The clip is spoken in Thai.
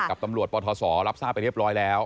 กับตำรวจปทศรับทราบไปเรียบร้อยแล้ว